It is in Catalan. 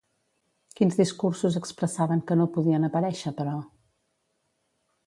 Quins discursos expressaven que no podien aparèixer, però?